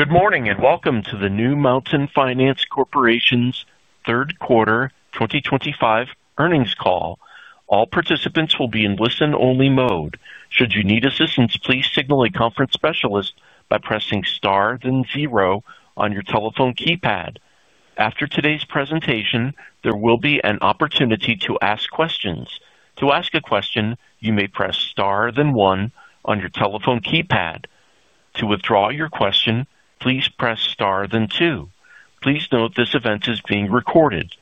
Good morning and welcome to the New Mountain Finance Corporation's third quarter 2025 earnings call. All participants will be in listen-only mode. Should you need assistance, please signal a conference specialist by pressing star then zero on your telephone keypad. After today's presentation, there will be an opportunity to ask questions. To ask a question, you may press star then one on your telephone keypad. To withdraw your question, please press star then two. Please note this event is being recorded.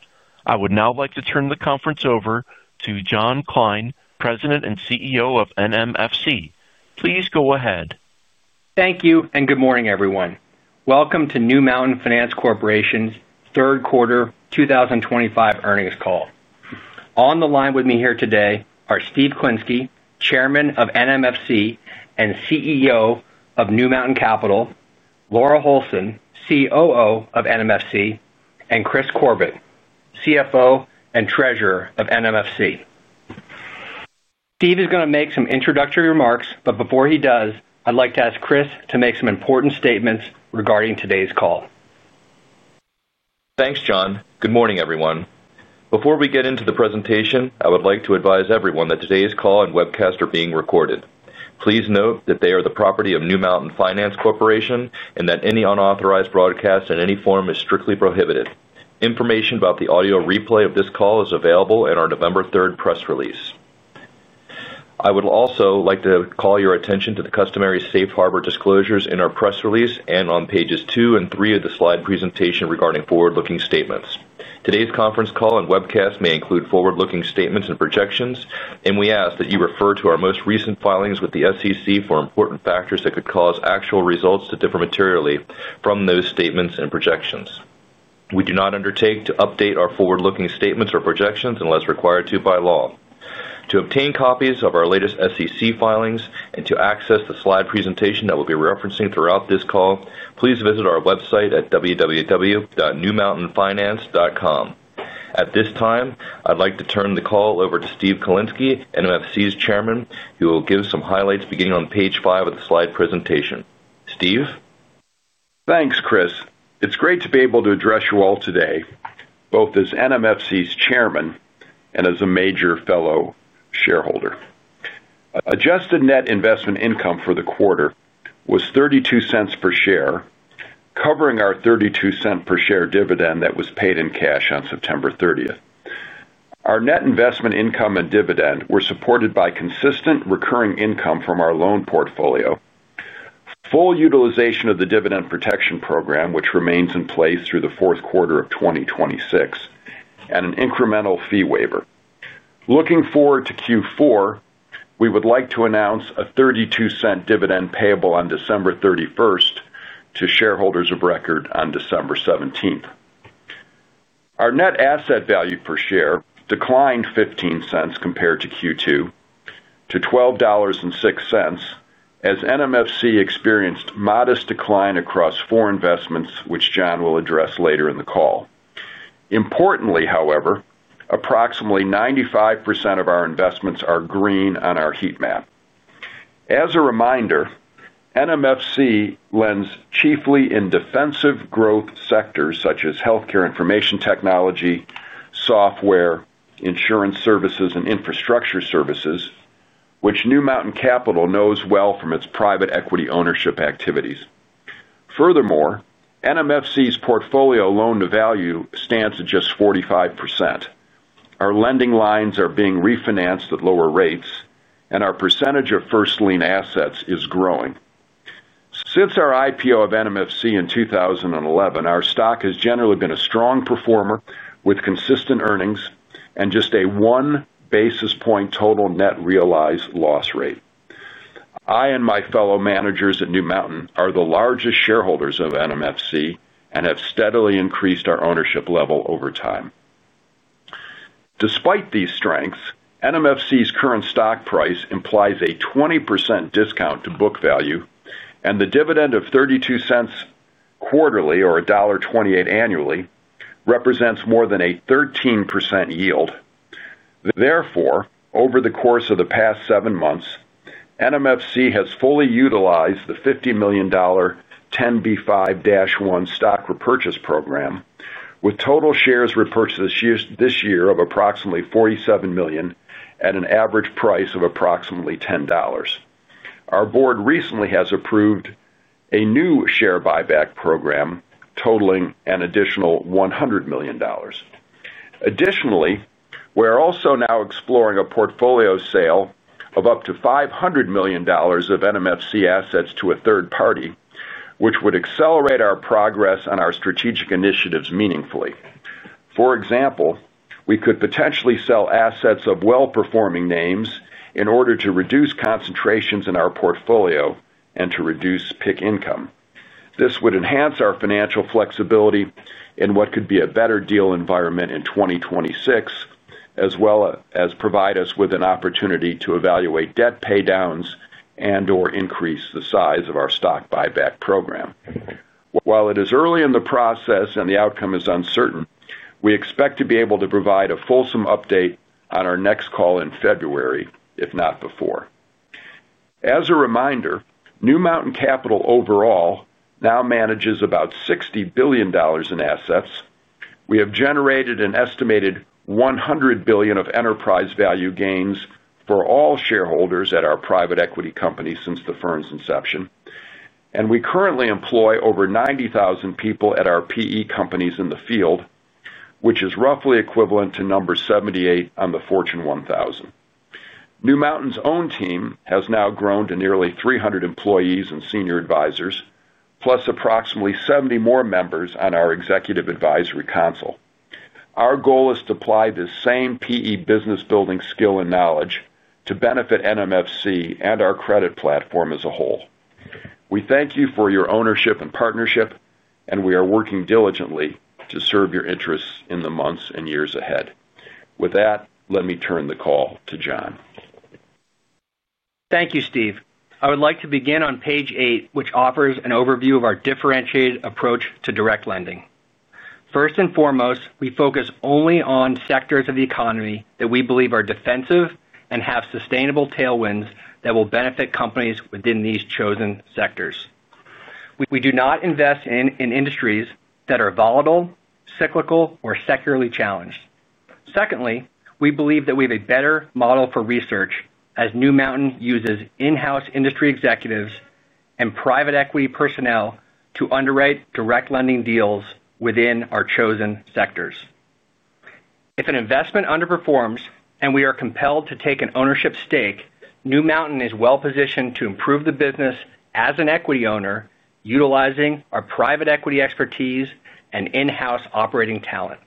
I would now like to turn the conference over to John Kline, President and CEO of NMFC. Please go ahead. Thank you and good morning, everyone. Welcome to New Mountain Finance Corporation's third quarter 2025 earnings call. On the line with me here today are Steve Klinsky, Chairman of NMFC and CEO of New Mountain Capital, Laura Holson, COO of NMFC, and Kris Corbett, CFO and Treasurer of NMFC. Steve is going to make some introductory remarks, but before he does, I'd like to ask Kris to make some important statements regarding today's call. Thanks, John. Good morning, everyone. Before we get into the presentation, I would like to advise everyone that today's call and webcast are being recorded. Please note that they are the property of New Mountain Finance Corporation and that any unauthorized broadcast in any form is strictly prohibited. Information about the audio replay of this call is available in our November 3rd press release. I would also like to call your attention to the customary safe harbor disclosures in our press release and on pages two and three of the slide presentation regarding forward-looking statements. Today's conference call and webcast may include forward-looking statements and projections, and we ask that you refer to our most recent filings with the SEC for important factors that could cause actual results to differ materially from those statements and projections. We do not undertake to update our forward-looking statements or projections unless required to by law. To obtain copies of our latest SEC filings and to access the slide presentation that we'll be referencing throughout this call, please visit our website at www.newmountainfinance.com. At this time, I'd like to turn the call over to Steve Klinsky, NMFC's Chairman, who will give some highlights beginning on page five of the slide presentation. Steve. Thanks, Kris. It's great to be able to address you all today, both as NMFC's Chairman and as a major fellow shareholder. Adjusted net investment income for the quarter was $0.32 per share, covering our $0.32 per share dividend that was paid in cash on September 30th. Our net investment income and dividend were supported by consistent recurring income from our loan portfolio. Full utilization of the dividend protection program, which remains in place through the fourth quarter of 2026. And an incremental fee waiver. Looking forward to Q4, we would like to announce a $0.32 dividend payable on December 31st to shareholders of record on December 17th. Our net asset value per share declined $0.15 compared to Q2 to $12.06 as NMFC experienced modest decline across four investments, which John will address later in the call. Importantly, however, approximately 95% of our investments are green on our heat map. As a reminder, NMFC lends chiefly in defensive growth sectors such as healthcare information technology, software, insurance services, and infrastructure services, which New Mountain Capital knows well from its private equity ownership activities. Furthermore, NMFC's portfolio loan-to-value stands at just 45%. Our lending lines are being refinanced at lower rates, and our percentage of first lien assets is growing. Since our IPO of NMFC in 2011, our stock has generally been a strong performer with consistent earnings and just a one basis point total net realized loss rate. I and my fellow managers at New Mountain are the largest shareholders of NMFC and have steadily increased our ownership level over time. Despite these strengths, NMFC's current stock price implies a 20% discount to book value, and the dividend of $0.32 quarterly or $1.28 annually represents more than a 13% yield. Therefore, over the course of the past seven months, NMFC has fully utilized the $50 million 10b5-1 stock repurchase program, with total shares repurchased this year of approximately $47 million at an average price of approximately $10. Our board recently has approved a new share buyback program totaling an additional $100 million. Additionally, we're also now exploring a portfolio sale of up to $500 million of NMFC assets to a third party, which would accelerate our progress on our strategic initiatives meaningfully. For example, we could potentially sell assets of well-performing names in order to reduce concentrations in our portfolio and to reduce PIK income. This would enhance our financial flexibility in what could be a better deal environment in 2026, as well as provide us with an opportunity to evaluate debt paydowns and/or increase the size of our stock buyback program. While it is early in the process and the outcome is uncertain, we expect to be able to provide a fulsome update on our next call in February, if not before. As a reminder, New Mountain Capital overall now manages about $60 billion in assets. We have generated an estimated $100 billion of enterprise value gains for all shareholders at our private equity company since the firm's inception, and we currently employ over 90,000 people at our PE companies in the field, which is roughly equivalent to number 78 on the Fortune 1000. New Mountain's own team has now grown to nearly 300 employees and senior advisors, plus approximately 70 more members on our executive advisory council. Our goal is to apply the same PE business-building skill and knowledge to benefit NMFC and our credit platform as a whole. We thank you for your ownership and partnership, and we are working diligently to serve your interests in the months and years ahead. With that, let me turn the call to John. Thank you, Steve. I would like to begin on page eight, which offers an overview of our differentiated approach to direct lending. First and foremost, we focus only on sectors of the economy that we believe are defensive and have sustainable tailwinds that will benefit companies within these chosen sectors. We do not invest in industries that are volatile, cyclical, or structurally challenged. Secondly, we believe that we have a better model for research as New Mountain uses in-house industry executives and private equity personnel to underwrite direct lending deals within our chosen sectors. If an investment underperforms and we are compelled to take an ownership stake, New Mountain is well-positioned to improve the business as an equity owner, utilizing our private equity expertise and in-house operating talent.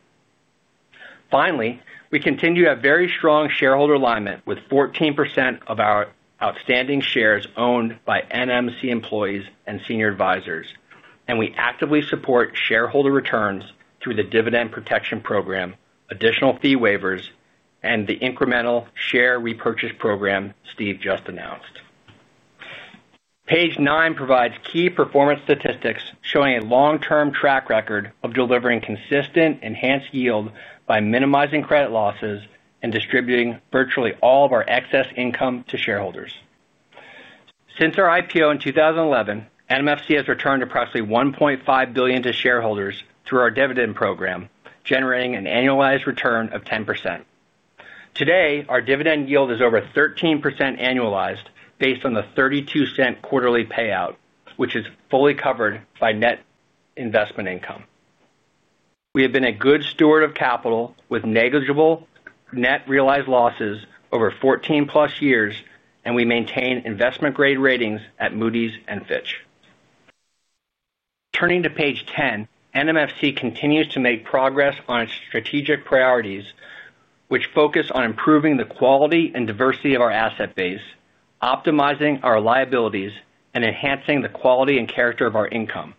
Finally, we continue to have very strong shareholder alignment with 14% of our outstanding shares owned by NMFC employees and senior advisors, and we actively support shareholder returns through the dividend protection program, additional fee waivers, and the incremental share repurchase program Steve just announced. Page nine provides key performance statistics showing a long-term track record of delivering consistent enhanced yield by minimizing credit losses and distributing virtually all of our excess income to shareholders. Since our IPO in 2011, NMFC has returned approximately $1.5 billion to shareholders through our dividend program, generating an annualized return of 10%. Today, our dividend yield is over 13% annualized based on the $0.32 quarterly payout, which is fully covered by net investment income. We have been a good steward of capital with negligible net realized losses over 14-plus years, and we maintain investment-grade ratings at Moody's and Fitch. Turning to page 10, NMFC continues to make progress on its strategic priorities, which focus on improving the quality and diversity of our asset base, optimizing our liabilities, and enhancing the quality and character of our income.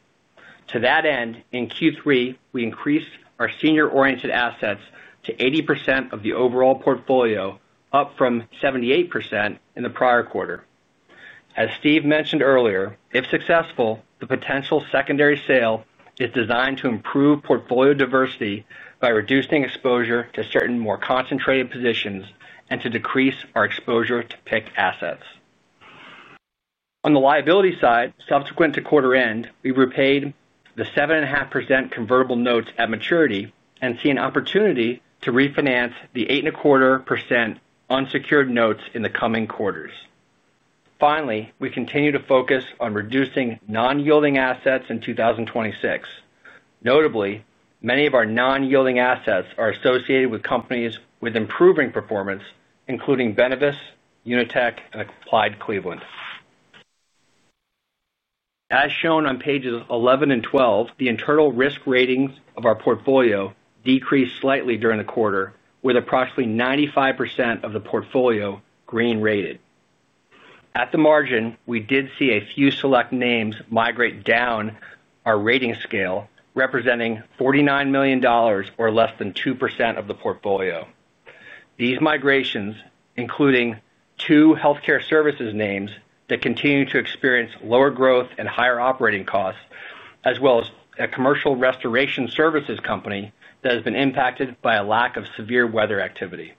To that end, in Q3, we increased our senior-oriented assets to 80% of the overall portfolio, up from 78% in the prior quarter. As Steve mentioned earlier, if successful, the potential secondary sale is designed to improve portfolio diversity by reducing exposure to certain more concentrated positions and to decrease our exposure to PIK assets. On the liability side, subsequent to quarter end, we repaid the 7.5% convertible notes at maturity and see an opportunity to refinance the 8.25% unsecured notes in the coming quarters. Finally, we continue to focus on reducing non-yielding assets in 2026. Notably, many of our non-yielding assets are associated with companies with improving performance, including Benevis, Unitech, and Applied Cleveland. As shown on pages 11 and 12, the internal risk ratings of our portfolio decreased slightly during the quarter, with approximately 95% of the portfolio green rated. At the margin, we did see a few select names migrate down our rating scale, representing $49 million or less than 2% of the portfolio. These migrations, including. Two healthcare services names that continue to experience lower growth and higher operating costs, as well as a commercial restoration services company that has been impacted by a lack of severe weather activity.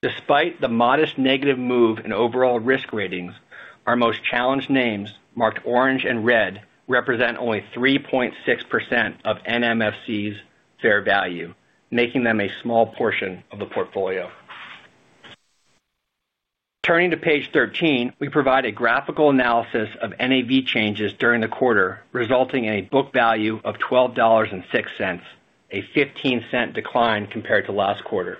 Despite the modest negative move in overall risk ratings, our most challenged names, marked orange and red, represent only 3.6% of NMFC's fair value, making them a small portion of the portfolio. Turning to page 13, we provide a graphical analysis of NAV changes during the quarter, resulting in a book value of $12.06, a $0.15 decline compared to last quarter.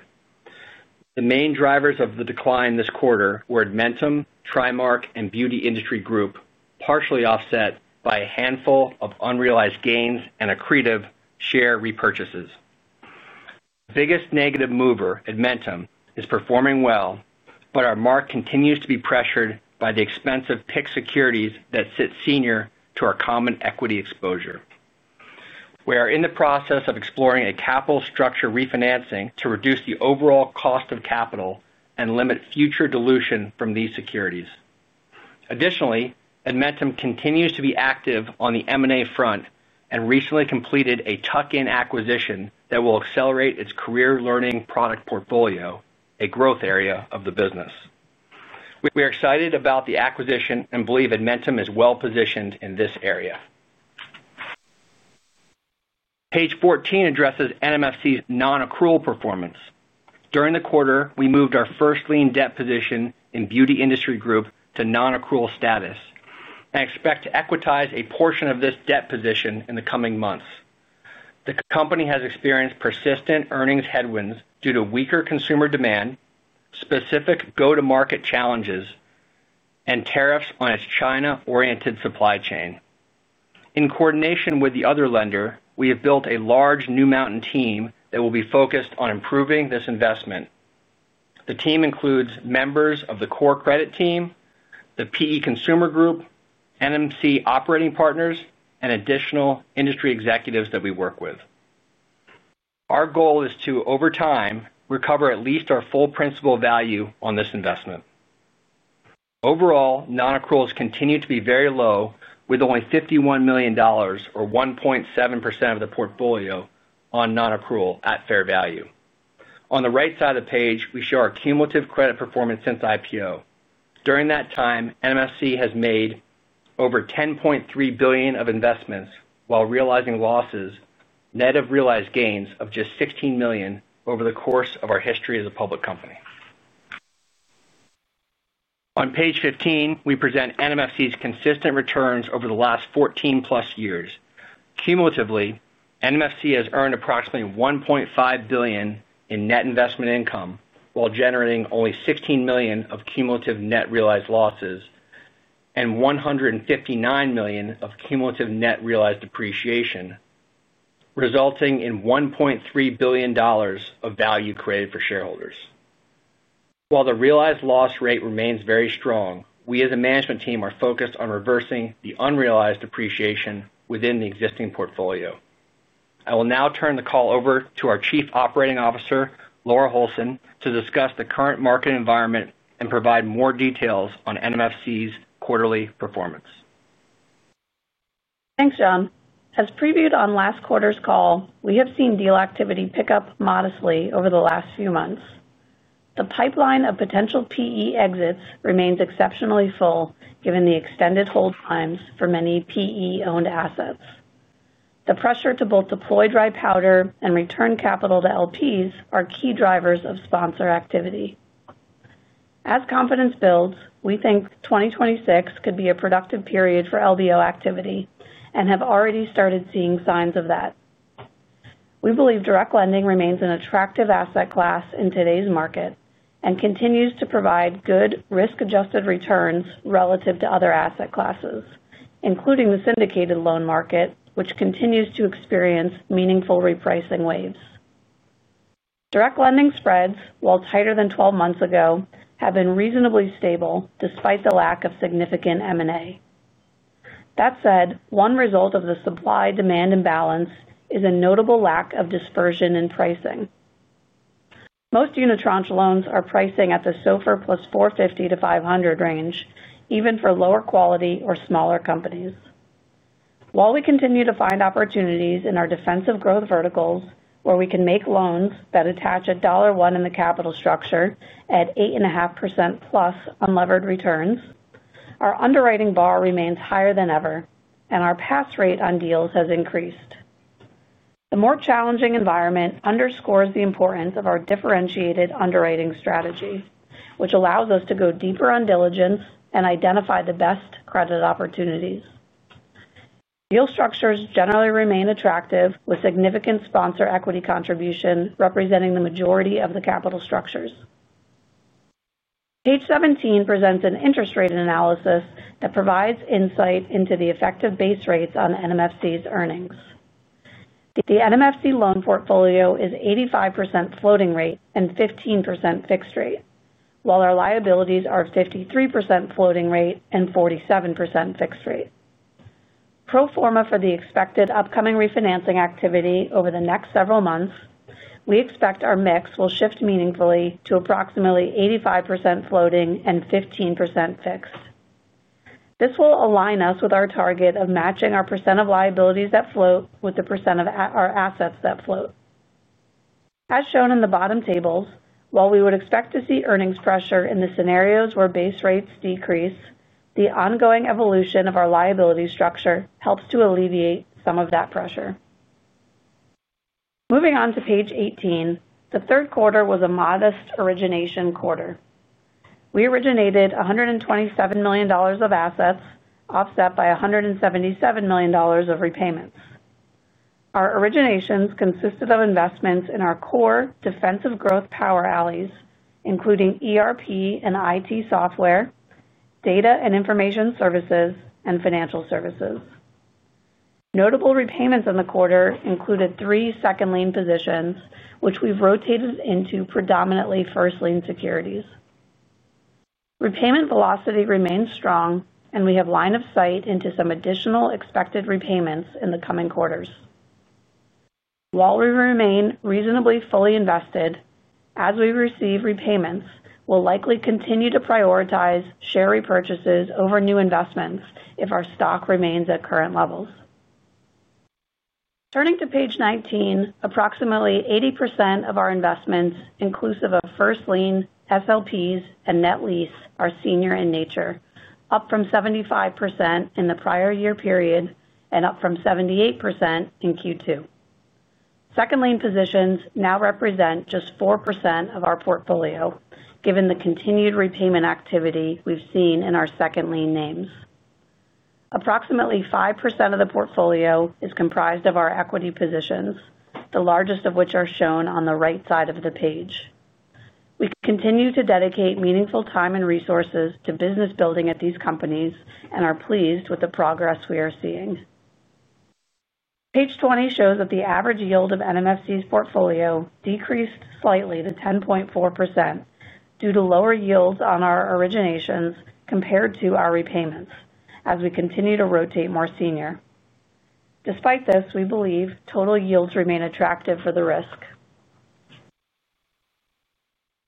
The main drivers of the decline this quarter were Edmentum, TriMark, and Beauty Industry Group, partially offset by a handful of unrealized gains and accretive share repurchases. The biggest negative mover, Edmentum, is performing well, but our mark continues to be pressured by the expense of PIK securities that sit senior to our common equity exposure. We are in the process of exploring a capital structure refinancing to reduce the overall cost of capital and limit future dilution from these securities. Additionally, Edmentum continues to be active on the M&A front and recently completed a tuck-in acquisition that will accelerate its career learning product portfolio, a growth area of the business. We are excited about the acquisition and believe Edmentum is well-positioned in this area. Page 14 addresses NMFC's non-accrual performance. During the quarter, we moved our first lien debt position in Beauty Industry Group to non-accrual status. I expect to equitize a portion of this debt position in the coming months. The company has experienced persistent earnings headwinds due to weaker consumer demand, specific go-to-market challenges, and tariffs on its China-oriented supply chain. In coordination with the other lender, we have built a large New Mountain team that will be focused on improving this investment. The team includes members of the core credit team, the PE consumer group, NMFC operating partners, and additional industry executives that we work with. Our goal is to, over time, recover at least our full principal value on this investment. Overall, non-accruals continue to be very low, with only $51 million, or 1.7% of the portfolio, on non-accrual at fair value. On the right side of the page, we show our cumulative credit performance since IPO. During that time, NMFC has made over $10.3 billion of investments while realizing losses, net of realized gains of just $16 million over the course of our history as a public company. On page 15, we present NMFC's consistent returns over the last 14-plus years. Cumulatively, NMFC has earned approximately $1.5 billion in net investment income while generating only $16 million of cumulative net realized losses, and $159 million of cumulative net realized depreciation, resulting in $1.3 billion of value created for shareholders. While the realized loss rate remains very strong, we as a management team are focused on reversing the unrealized depreciation within the existing portfolio. I will now turn the call over to our Chief Operating Officer, Laura Holson, to discuss the current market environment and provide more details on NMFC's quarterly performance. Thanks, John. As previewed on last quarter's call, we have seen deal activity pick up modestly over the last few months. The pipeline of potential PE exits remains exceptionally full, given the extended hold times for many PE-owned assets. The pressure to both deploy dry powder and return capital to LPs are key drivers of sponsor activity. As confidence builds, we think 2026 could be a productive period for LBO activity and have already started seeing signs of that. We believe direct lending remains an attractive asset class in today's market and continues to provide good risk-adjusted returns relative to other asset classes, including the syndicated loan market, which continues to experience meaningful repricing waves. Direct lending spreads, while tighter than 12 months ago, have been reasonably stable despite the lack of significant M&A. That said, one result of the supply-demand imbalance is a notable lack of dispersion in pricing. Most Unitranche Loans loans are pricing at the SOFR plus 450-500 range, even for lower quality or smaller companies. While we continue to find opportunities in our defensive growth verticals where we can make loans that attach a dollar one in the capital structure at 8.5% plus unlevered returns, our underwriting bar remains higher than ever, and our pass rate on deals has increased. The more challenging environment underscores the importance of our differentiated underwriting strategy, which allows us to go deeper on diligence and identify the best credit opportunities. Deal structures generally remain attractive, with significant sponsor equity contribution representing the majority of the capital structures. Page 17 presents an interest rate analysis that provides insight into the effective base rates on NMFC's earnings. The NMFC loan portfolio is 85% floating rate and 15% fixed rate, while our liabilities are 53% floating rate and 47% fixed rate. Pro forma for the expected upcoming refinancing activity over the next several months, we expect our mix will shift meaningfully to approximately 85% floating and 15% fixed. This will align us with our target of matching our percent of liabilities that float with the percent of our assets that float. As shown in the bottom tables, while we would expect to see earnings pressure in the scenarios where base rates decrease, the ongoing evolution of our liability structure helps to alleviate some of that pressure. Moving on to page 18, the third quarter was a modest origination quarter. We originated $127 million of assets, offset by $177 million of repayments. Our originations consisted of investments in our core defensive growth power alleys, including ERP and IT software, data and information services, and financial services. Notable repayments in the quarter included three second lien positions, which we've rotated into predominantly first lien securities. Repayment velocity remains strong, and we have line of sight into some additional expected repayments in the coming quarters. While we remain reasonably fully invested, as we receive repayments, we'll likely continue to prioritize share repurchases over new investments if our stock remains at current levels. Turning to page 19, approximately 80% of our investments, inclusive of first lien, SLPs, and net lease, are senior in nature, up from 75% in the prior year period and up from 78% in Q2. Second lien positions now represent just 4% of our portfolio, given the continued repayment activity we've seen in our second lien names. Approximately 5% of the portfolio is comprised of our equity positions, the largest of which are shown on the right side of the page. We continue to dedicate meaningful time and resources to business building at these companies and are pleased with the progress we are seeing. Page 20 shows that the average yield of NMFC's portfolio decreased slightly to 10.4% due to lower yields on our originations compared to our repayments, as we continue to rotate more senior. Despite this, we believe total yields remain attractive for the risk.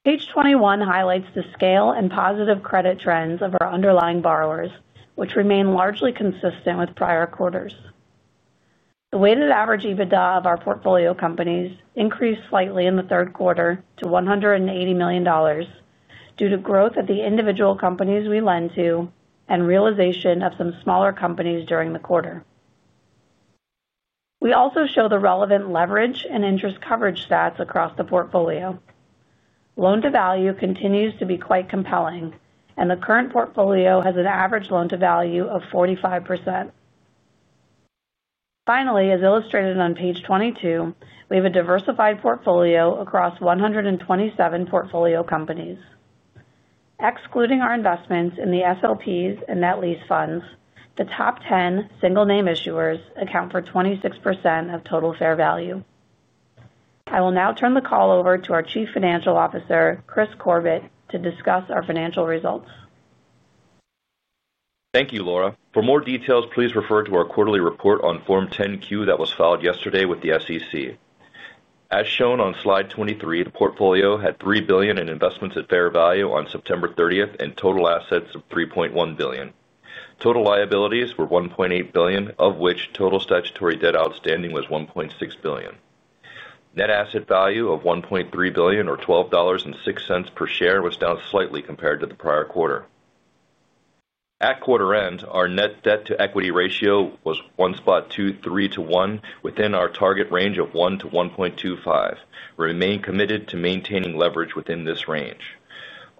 Page 21 highlights the scale and positive credit trends of our underlying borrowers, which remain largely consistent with prior quarters. The weighted Average EBITDA of our portfolio companies increased slightly in the third quarter to $180 million due to growth at the individual companies we lend to and realization of some smaller companies during the quarter. We also show the relevant leverage and interest coverage stats across the portfolio. Loan-to-value continues to be quite compelling, and the current portfolio has an average loan-to-value of 45%. Finally, as illustrated on page 22, we have a diversified portfolio across 127 portfolio companies. Excluding our investments in the SLPs and net lease funds, the top 10 single-name issuers account for 26% of total fair value. I will now turn the call over to our Chief Financial Officer, Kris Corbett, to discuss our financial results. Thank you, Laura. For more details, please refer to our quarterly report on Form 10Q that was filed yesterday with the SEC. As shown on slide 23, the portfolio had $3 billion in investments at fair value on September 30th and total assets of $3.1 billion. Total liabilities were $1.8 billion, of which total statutory debt outstanding was $1.6 billion. Net asset value of $1.3 billion, or $12.06 per share, was down slightly compared to the prior quarter. At quarter end, our net debt-to-equity ratio was 1.3 to 1, within our target range of 1 to 1.25. We remain committed to maintaining leverage within this range.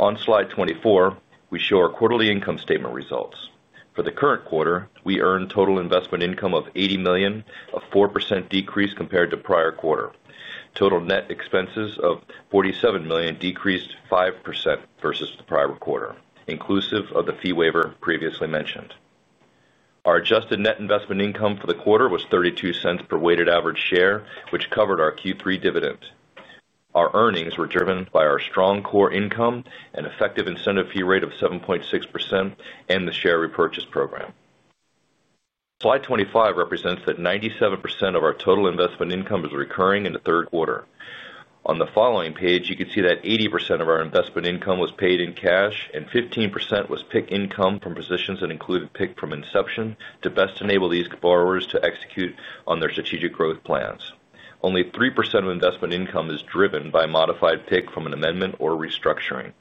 On slide 24, we show our quarterly income statement results. For the current quarter, we earned total investment income of $80 million, a 4% decrease compared to prior quarter. Total net expenses of $47 million decreased 5% versus the prior quarter, inclusive of the fee waiver previously mentioned. Our adjusted net investment income for the quarter was $0.32 per weighted average share, which covered our Q3 dividend. Our earnings were driven by our strong core income and effective incentive fee rate of 7.6% and the share repurchase program. Slide 25 represents that 97% of our total investment income is recurring in the third quarter. On the following page, you can see that 80% of our investment income was paid in cash and 15% was PIK income from positions that included PIK from inception to best enable these borrowers to execute on their strategic growth plans. Only 3% of investment income is driven by modified PIK from an amendment or restructuring.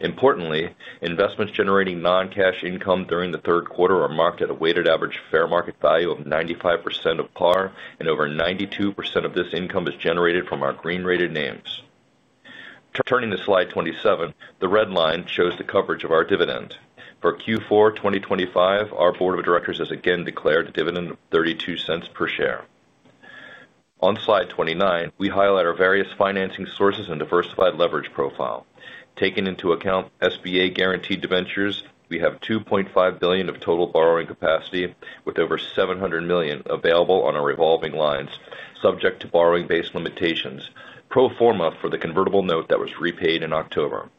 Importantly, investments generating non-cash income during the third quarter are marked at a weighted average fair market value of 95% of par, and over 92% of this income is generated from our green-rated names. Turning to slide 27, the red line shows the coverage of our dividend. For Q4 2025, our board of directors has again declared a dividend of $0.32 per share. On slide 29, we highlight our various financing sources and diversified leverage profile. Taking into account SBA guaranteed debentures, we have $2.5 billion of total borrowing capacity, with over $700 million available on our revolving lines, subject to borrowing-based limitations, pro forma for the convertible note that was repaid in October.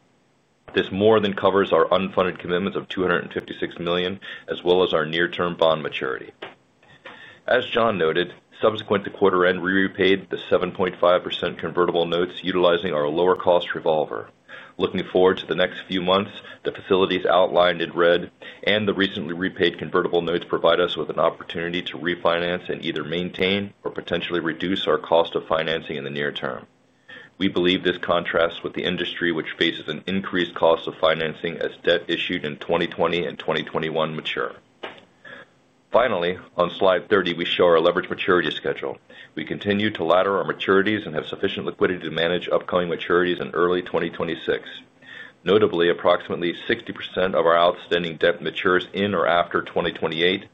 This more than covers our unfunded commitments of $256 million, as well as our near-term bond maturity. As John noted, subsequent to quarter end, we repaid the 7.5% convertible notes utilizing our lower-cost revolver. Looking forward to the next few months, the facilities outlined in red and the recently repaid convertible notes provide us with an opportunity to refinance and either maintain or potentially reduce our cost of financing in the near term. We believe this contrasts with the industry, which faces an increased cost of financing as debt issued in 2020 and 2021 mature. Finally, on slide 30, we show our leverage maturity schedule. We continue to ladder our maturities and have sufficient liquidity to manage upcoming maturities in early 2026. Notably, approximately 60% of our outstanding debt matures in or after 2028,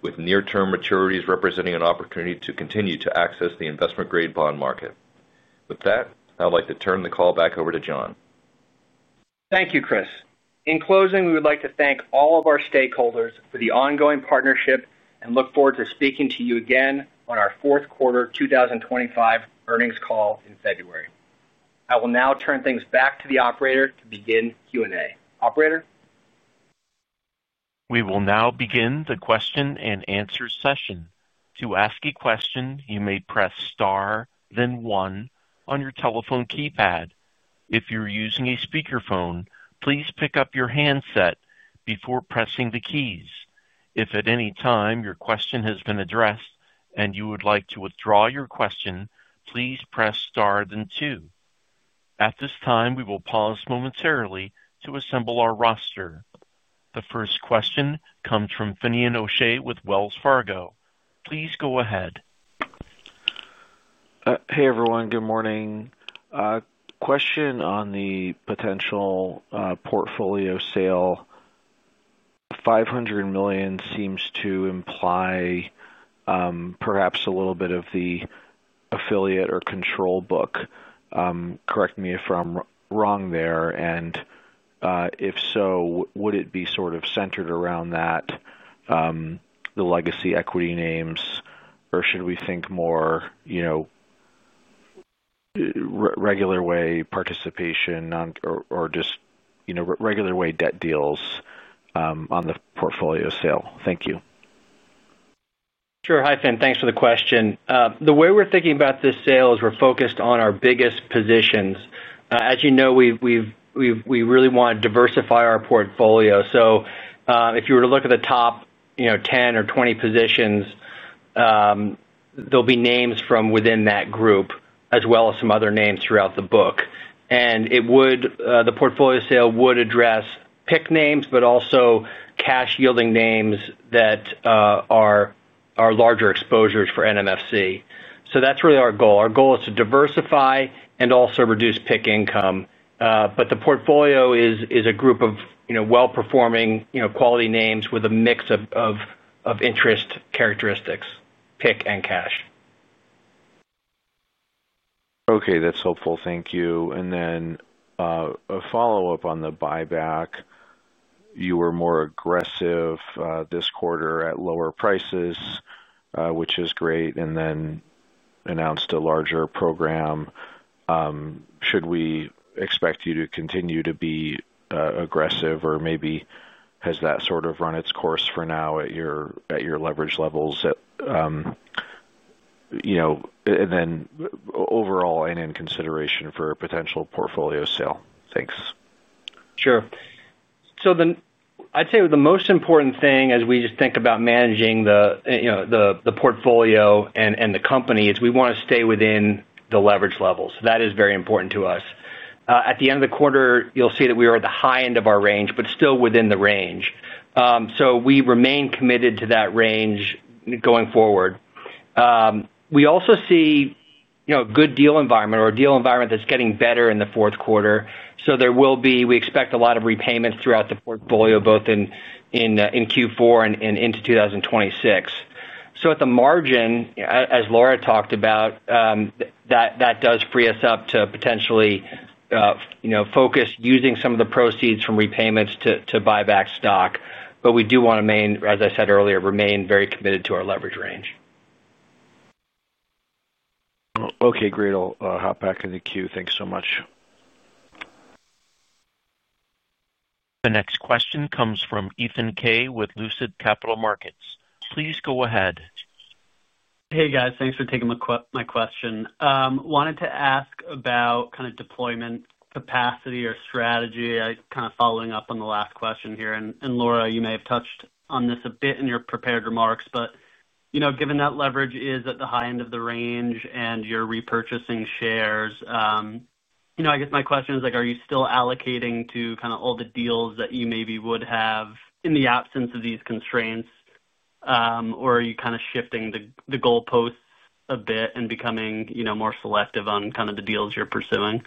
with near-term maturities representing an opportunity to continue to access the investment-grade bond market. With that, I'd like to turn the call back over to John. Thank you, Kris. In closing, we would like to thank all of our stakeholders for the ongoing partnership and look forward to speaking to you again on our fourth quarter 2025 earnings call in February. I will now turn things back to the operator to begin Q&A. Operator. We will now begin the question and answer session. To ask a question, you may press star, then one on your telephone keypad. If you're using a speakerphone, please pick up your handset before pressing the keys. If at any time your question has been addressed and you would like to withdraw your question, please press star then two. At this time, we will pause momentarily to assemble our roster. The first question comes from Finian O'Shea with Wells Fargo. Please go ahead. Hey, everyone. Good morning. Question on the potential portfolio sale. $500 million seems to imply perhaps a little bit of the affiliate or control book. Correct me if I'm wrong there. And if so, would it be sort of centered around that the legacy equity names, or should we think more regular way participation or just regular way debt deals on the portfolio sale? Thank you. Sure. Hi, Finian. Thanks for the question. The way we're thinking about this sale is we're focused on our biggest positions. As you know, we really want to diversify our portfolio. So if you were to look at the top 10 or 20 positions, there'll be names from within that group, as well as some other names throughout the book. And the portfolio sale would address PIK names, but also cash-yielding names that are larger exposures for NMFC. So that's really our goal. Our goal is to diversify and also reduce PIK income. But the portfolio is a group of well-performing quality names with a mix of interest characteristics, PIK and cash. Okay. That's helpful. Thank you. And then, a follow-up on the buyback. You were more aggressive this quarter at lower prices, which is great, and then announced a larger program. Should we expect you to continue to be aggressive, or maybe has that sort of run its course for now at your leverage levels? And then overall, in consideration for a potential portfolio sale. Thanks. Sure. So I'd say the most important thing as we just think about managing the portfolio and the company is we want to stay within the leverage levels. That is very important to us. At the end of the quarter, you'll see that we are at the high end of our range, but still within the range. So we remain committed to that range going forward. We also see a good deal environment or a deal environment that's getting better in the fourth quarter. So there will be, we expect a lot of repayments throughout the portfolio, both in Q4 and into 2026. So at the margin, as Laura talked about, that does free us up to potentially focus using some of the proceeds from repayments to buy back stock. But we do want to remain, as I said earlier, very committed to our leverage range. Okay. Great. I'll hop back in the queue. Thanks so much. The next question comes from Ethan Kaye with Lucid Capital Markets. Please go ahead. Hey, guys. Thanks for taking my question. Wanted to ask about kind of deployment capacity or strategy, kind of following up on the last question here, and Laura, you may have touched on this a bit in your prepared remarks, but given that leverage is at the high end of the range and you're repurchasing shares, I guess my question is, are you still allocating to kind of all the deals that you maybe would have in the absence of these constraints, or are you kind of shifting the goalposts a bit and becoming more selective on kind of the deals you're pursuing? Yeah.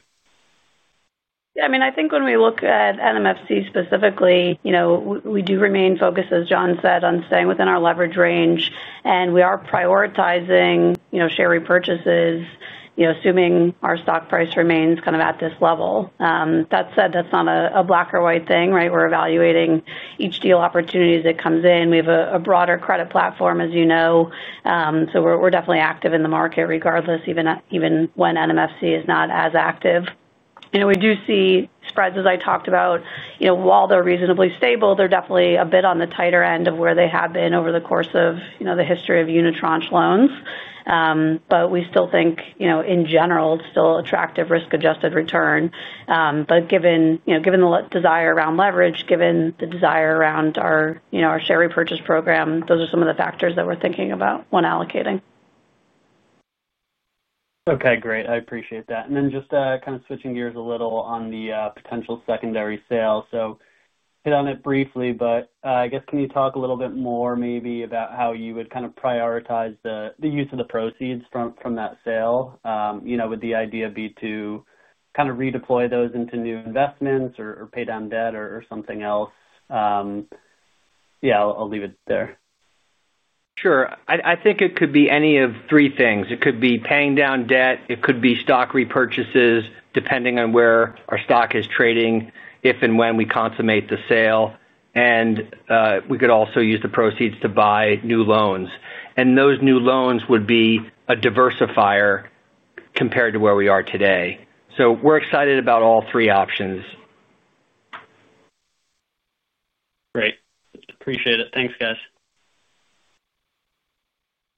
I mean, I think when we look at NMFC specifically, we do remain focused, as John said, on staying within our leverage range. And we are prioritizing share repurchases, assuming our stock price remains kind of at this level. That said, that's not a black-or-white thing, right? We're evaluating each deal opportunity as it comes in. We have a broader credit platform, as you know. So we're definitely active in the market, regardless, even when NMFC is not as active. We do see spreads, as I talked about. While they're reasonably stable, they're definitely a bit on the tighter end of where they have been over the course of the history of Unitranche Loans loans. But we still think, in general, it's still attractive risk-adjusted return. But given the desire around leverage, given the desire around our share repurchase program, those are some of the factors that we're thinking about when allocating. Okay. Great. I appreciate that. And then just kind of switching gears a little on the potential secondary sale. So hit on it briefly, but I guess can you talk a little bit more maybe about how you would kind of prioritize the use of the proceeds from that sale, with the idea of to kind of redeploy those into new investments or pay down debt or something else? Yeah, I'll leave it there. Sure. I think it could be any of three things. It could be paying down debt. It could be stock repurchases, depending on where our stock is trading, if and when we consummate the sale. And we could also use the proceeds to buy new loans. And those new loans would be a diversifier. Compared to where we are today. So we're excited about all three options. Great. Appreciate it. Thanks, guys.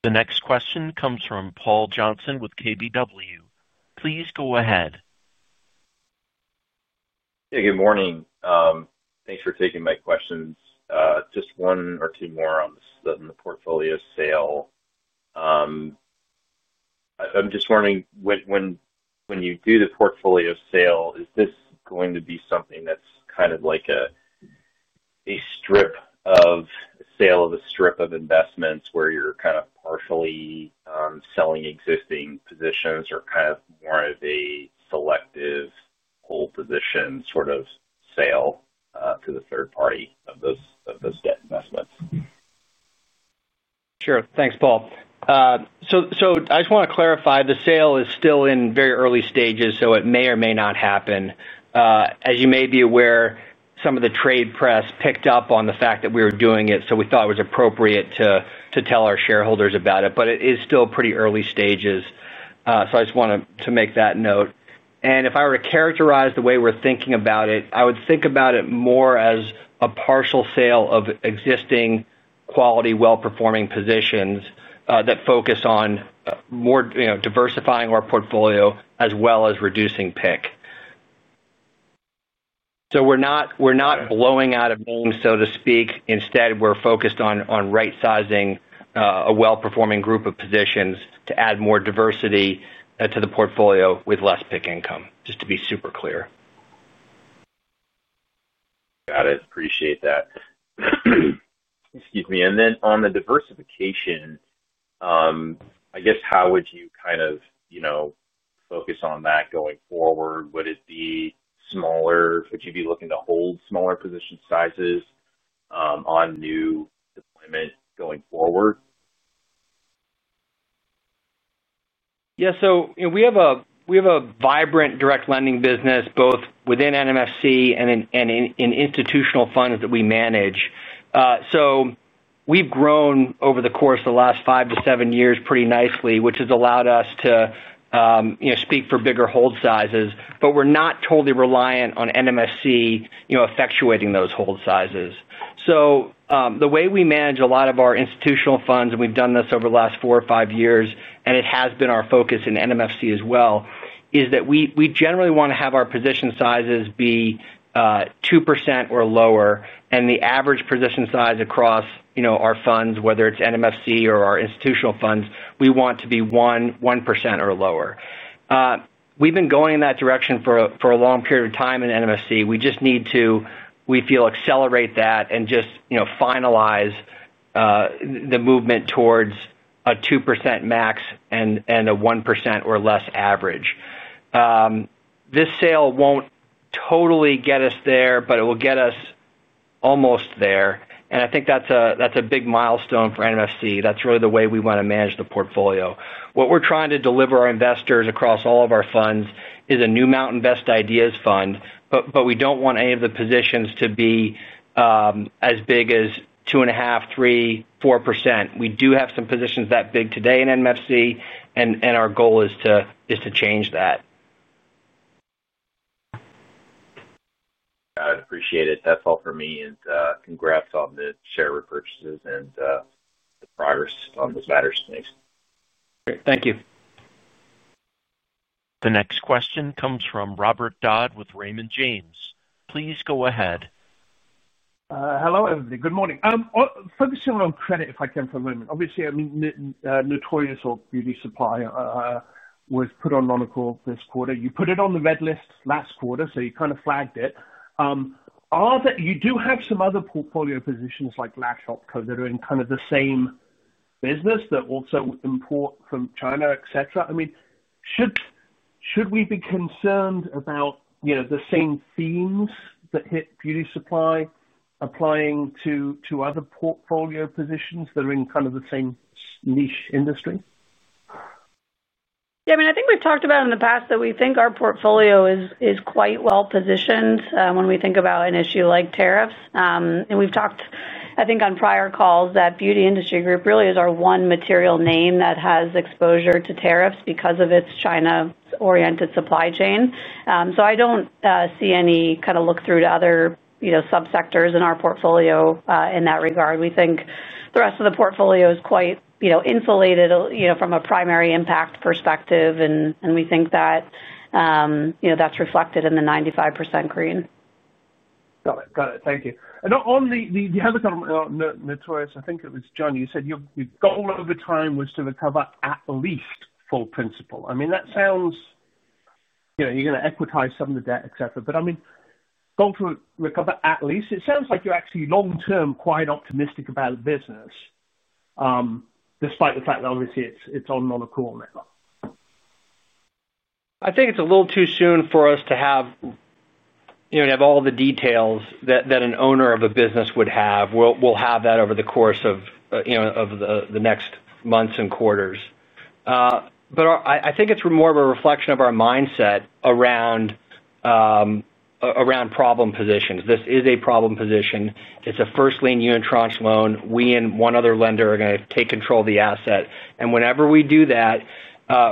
The next question comes from Paul Johnson with KBW. Please go ahead. Hey, good morning. Thanks for taking my questions. Just one or two more on the portfolio sale. I'm just wondering, when you do the portfolio sale, is this going to be something that's kind of like a sale of a strip of investments where you're kind of partially selling existing positions or kind of more of a selective whole-position sort of sale to the third party of those debt investments? Sure. Thanks, Paul. So I just want to clarify, the sale is still in very early stages, so it may or may not happen. As you may be aware, some of the trade press picked up on the fact that we were doing it, so we thought it was appropriate to tell our shareholders about it. But it is still pretty early stages. So I just wanted to make that note. And if I were to characterize the way we're thinking about it, I would think about it more as a partial sale of existing quality, well-performing positions that focus on diversifying our portfolio as well as reducing PIK. So we're not blowing out of names, so to speak. Instead, we're focused on right-sizing a well-performing group of positions to add more diversity to the portfolio with less PIK income, just to be super clear. Got it. Appreciate that. Excuse me. And then on the diversification. I guess how would you kind of focus on that going forward? Would it be smaller? Would you be looking to hold smaller position sizes on new deployment going forward? Yeah. So we have a vibrant direct lending business, both within NMFC and in institutional funds that we manage. So we've grown over the course of the last five to seven years pretty nicely, which has allowed us to seek for bigger hold sizes. But we're not totally reliant on NMFC effectuating those hold sizes. So the way we manage a lot of our institutional funds, and we've done this over the last four or five years, and it has been our focus in NMFC as well, is that we generally want to have our position sizes be 2% or lower. And the average position size across our funds, whether it's NMFC or our institutional funds, we want to be 1% or lower. We've been going in that direction for a long period of time in NMFC. We just need to, we feel, accelerate that and just finalize the movement towards a 2% max and a 1% or less average. This sale won't totally get us there, but it will get us almost there. And I think that's a big milestone for NMFC. That's really the way we want to manage the portfolio. What we're trying to deliver our investors across all of our funds is a New Mountain Best Ideas Fund, but we don't want any of the positions to be as big as 2.5%, 3%, 4%. We do have some positions that big today in NMFC, and our goal is to change that. I appreciate it. That's all for me. And congrats on the share repurchases and the progress on those matters. Thanks. Thank you. The next question comes from Robert Dodd with Raymond James. Please go ahead. Hello, everybody. Good morning. Focusing on credit, if I can for a moment. Obviously, the Beauty Industry Group was put on non-accrual this quarter. You put it on the red list last quarter, so you kind of flagged it. You do have some other portfolio positions like La Shop Co. that are in kind of the same business that also import from China, etc. I mean, should we be concerned about the same themes that hit beauty supply applying to other portfolio positions that are in kind of the same niche industry? Yeah. I mean, I think we've talked about it in the past that we think our portfolio is quite well-positioned when we think about an issue like tariffs. And we've talked, I think, on prior calls that Beauty Industry Group really is our one material name that has exposure to tariffs because of its China-oriented supply chain. So I don't see any kind of look-through to other subsectors in our portfolio in that regard. We think the rest of the portfolio is quite insulated from a primary impact perspective, and we think that. That's reflected in the 95% green. Got it. Thank you. And on the other kind of notorious—I think it was John—you said your goal over time was to recover at least full principal. I mean, that sounds. You're going to equitize some of the debt, etc. But I mean, goal to recover at least. It sounds like you're actually long-term quite optimistic about business. Despite the fact that, obviously, it's on non-accrual now. I think it's a little too soon for us to have all the details that an owner of a business would have. We'll have that over the course of the next months and quarters. But I think it's more of a reflection of our mindset around problem positions. This is a problem position. It's a first lien Unitranche Loan. We and one other lender are going to take control of the asset. And whenever we do that,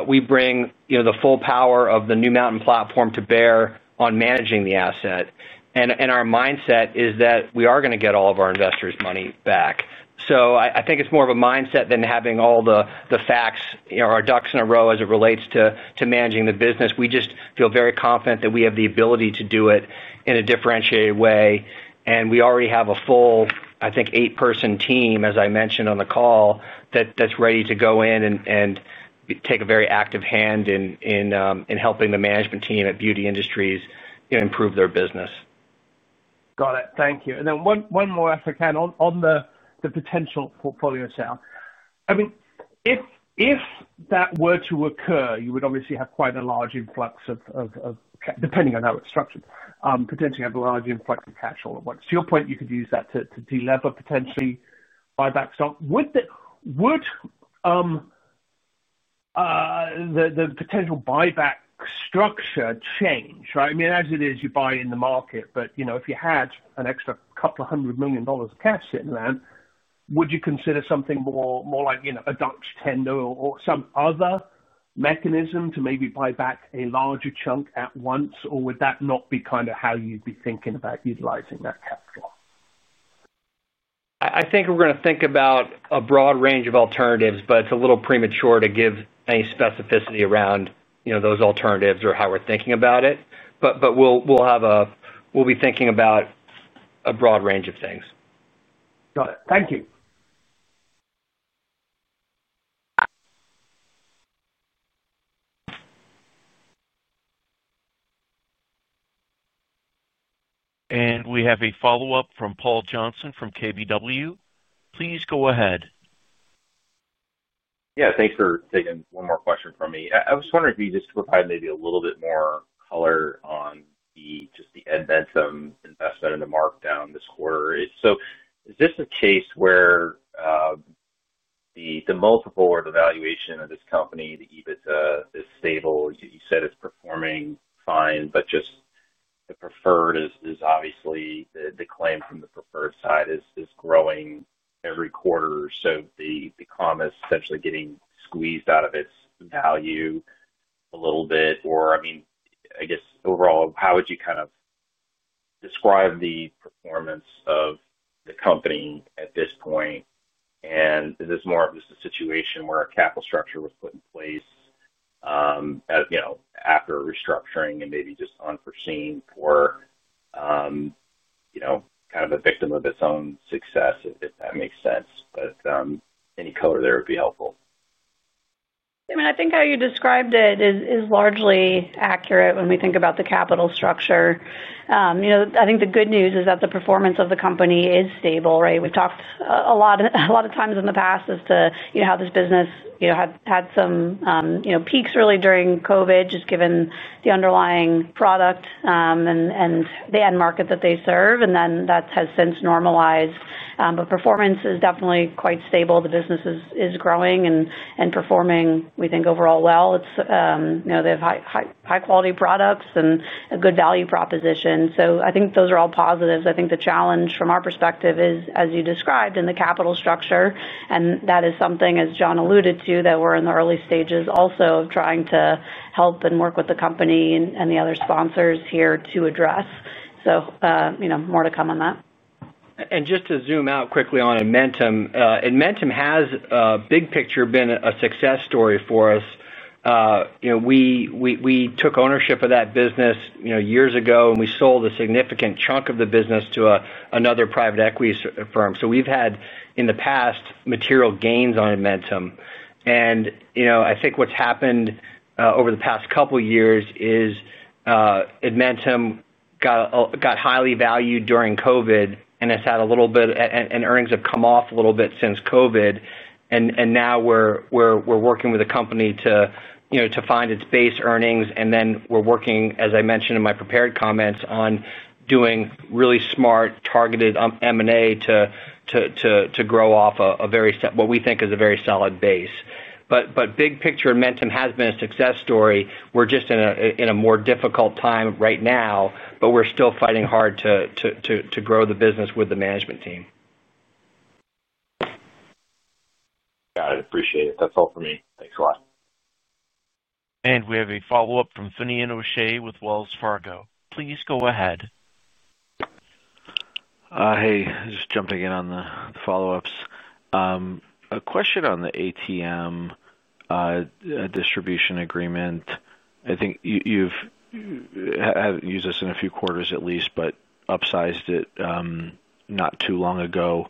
we bring the full power of the New Mountain Platform to bear on managing the asset. And our mindset is that we are going to get all of our investors' money back. So I think it's more of a mindset than having all the facts or our ducks in a row as it relates to managing the business. We just feel very confident that we have the ability to do it in a differentiated way. And we already have a full, I think, eight-person team, as I mentioned on the call, that's ready to go in and take a very active hand in helping the management team at Beauty Industry Group improve their business. Got it. Thank you. And then one more if I can on the potential portfolio sale. I mean, if that were to occur, you would obviously have quite a large influx of, depending on how it's structured, potentially a large influx of cash all at once. To your point, you could use that to delever, potentially buyback stock. Would the potential buyback structure change, right? I mean, as it is, you buy in the market. But if you had an extra $200 million of cash sitting around, would you consider something more like a Dutch tender or some other mechanism to maybe buy back a larger chunk at once, or would that not be kind of how you'd be thinking about utilizing that capital? I think we're going to think about a broad range of alternatives, but it's a little premature to give any specificity around those alternatives or how we're thinking about it. But we'll be thinking about a broad range of things. Got it. Thank you. We have a follow-up from Paul Johnson from KBW. Please go ahead. Yeah. Thanks for taking one more question from me. I was wondering if you could just provide maybe a little bit more color on just the event of investment in the markdown this quarter. So is this a case where the multiple or the valuation of this company, the EBITDA, is stable? You said it's performing fine, but just the preferred is obviously the claim from the preferred side is growing every quarter. So the common's essentially getting squeezed out of its value a little bit. Or I mean, I guess overall, how would you kind of describe the performance of the company at this point? And is this more of just a situation where a capital structure was put in place after restructuring and maybe just unforeseen or kind of a victim of its own success, if that makes sense? But any color there would be helpful. I mean, I think how you described it is largely accurate when we think about the capital structure. I think the good news is that the performance of the company is stable, right? We've talked a lot of times in the past as to how this business had some peaks really during COVID, just given the underlying product and the end market that they serve, and then that has since normalized, but performance is definitely quite stable. The business is growing and performing, we think, overall well. They have high-quality products and a good value proposition, so I think those are all positives. I think the challenge from our perspective is, as you described, in the capital structure, and that is something, as John alluded to, that we're in the early stages also of trying to help and work with the company and the other sponsors here to address, so more to come on that. And just to zoom out quickly on Edmentum, Edmentum has big picture been a success story for us. We took ownership of that business years ago, and we sold a significant chunk of the business to another private equity firm. So we've had, in the past, material gains on Edmentum. And I think what's happened over the past couple of years is Edmentum got highly valued during COVID, and it's had a little bit and earnings have come off a little bit since COVID. And now we're working with the company to find its base earnings. And then we're working, as I mentioned in my prepared comments, on doing really smart targeted M&A to grow off what we think is a very solid base. But big picture, Edmentum has been a success story. We're just in a more difficult time right now, but we're still fighting hard to grow the business with the management team. Got it. Appreciate it. That's all for me. Thanks a lot. We have a follow-up from Finian O'Shea with Wells Fargo. Please go ahead. Hey, just jumping in on the follow-ups. A question on the ATM distribution agreement. I think you've used this in a few quarters at least, but upsized it not too long ago.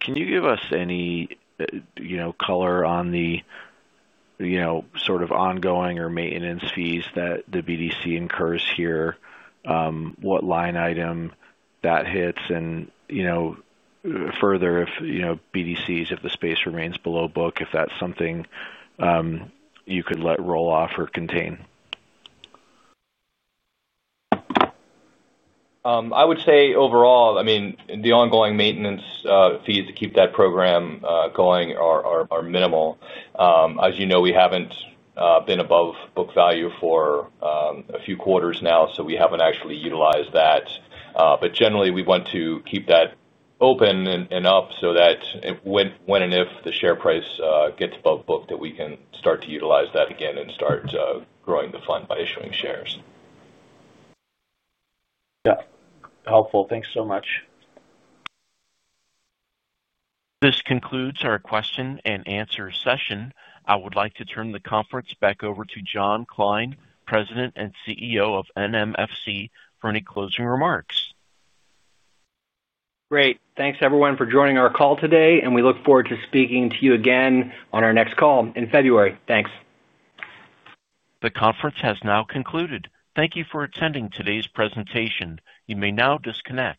Can you give us any color on the sort of ongoing or maintenance fees that the BDC incurs here? What line item that hits? And further, if BDCs, if the space remains below book, if that's something you could let roll off or contain? I would say overall, I mean, the ongoing maintenance fees to keep that program going are minimal. As you know, we haven't been above book value for a few quarters now, so we haven't actually utilized that. But generally, we want to keep that open and up so that when and if the share price gets above book, that we can start to utilize that again and start growing the fund by issuing shares. Yeah. Helpful. Thanks so much. This concludes our question and answer session. I would like to turn the conference back over to John Kline, President and CEO of NMFC, for any closing remarks. Great. Thanks, everyone, for joining our call today. And we look forward to speaking to you again on our next call in February. Thanks. The conference has now concluded. Thank you for attending today's presentation. You may now disconnect.